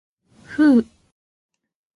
ふう。